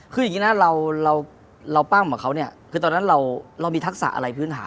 คืออย่างนี้นะเราปั้มกับเขาเนี่ยคือตอนนั้นเรามีทักษะอะไรพื้นฐาน